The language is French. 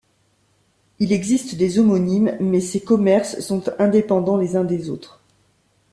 Il existe des homonymes mais ces commerces sont indépendants les uns des autres.